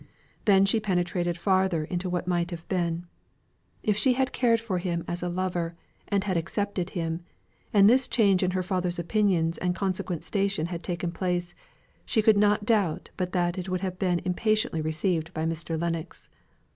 Then she penetrated farther into what might have been. If she had cared for him as a lover, and had accepted him, and this change in her father's opinions and consequent station had taken place, she could not doubt but that it would have been impatiently received by Mr. Lennox.